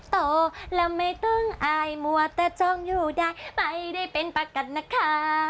โตแล้วไม่ต้องอายมัวแต่จ้องอยู่ได้ไม่ได้เป็นประกันนะคะ